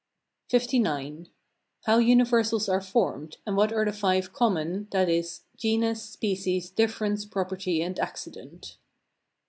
LIX. How universals are formed; and what are the five common, viz., genus, species, difference, property, and accident.